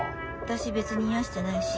私別に癒やしてないし。